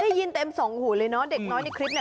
ได้ยินเต็มสองหูเลยเนอะเด็กน้อยในคลิปเนี่ย